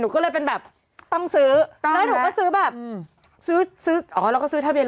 หนูก็เลยต้องซื้อ